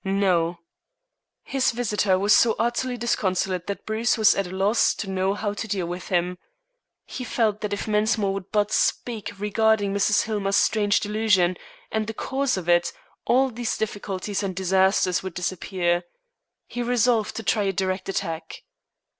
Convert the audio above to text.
"No." His visitor was so utterly disconsolate that Bruce was at a loss to know how to deal with him. He felt that if Mensmore would but speak regarding Mrs. Hillmer's strange delusion, and the cause of it, all these difficulties and disasters would disappear. He resolved to try a direct attack.